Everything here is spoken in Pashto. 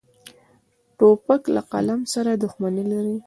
توپک له قلم سره دښمني لري.